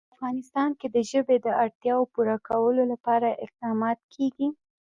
په افغانستان کې د ژبې د اړتیاوو پوره کولو لپاره اقدامات کېږي.